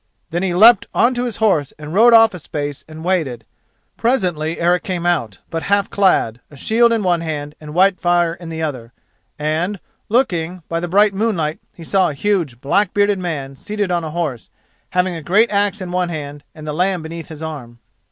Then he leapt on to his horse and rode off a space and waited. Presently Eric came out, but half clad, a shield in one hand and Whitefire in the other, and, looking, by the bright moonlight he saw a huge black bearded man seated on a horse, having a great axe in one hand and the lamb beneath his arm.